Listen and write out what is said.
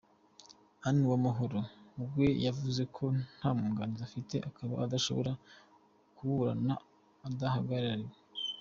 Anne Uwamahoro we yavuze ko nta mwunganizi afite, akaba adashobora kuburana adahagarariwe.